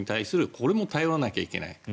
これも頼らなきゃいけない。